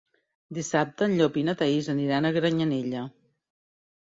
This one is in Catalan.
Dissabte en Llop i na Thaís aniran a Granyanella.